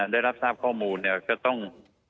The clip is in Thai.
ได้รับทราบข้อมูลค่ะก็ต้อง